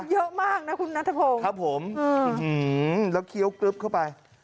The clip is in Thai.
เยอะมากนะคุณนัทพงศ์ครับผมแล้วเคี้ยวกรึ๊บเข้าไป